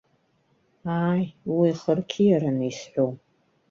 Ааи, уи хырқьиараны исҳәом.